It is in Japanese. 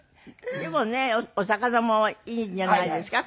でもねお魚もいいんじゃないですか？